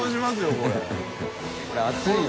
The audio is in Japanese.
これ熱いよ。